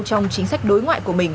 trong chính sách đối ngoại của mình